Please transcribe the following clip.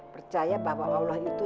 percaya bahwa allah itu